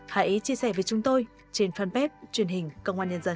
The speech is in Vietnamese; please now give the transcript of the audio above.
hãy chia sẻ với chúng tôi trên fanpage truyền hình công an nhân dân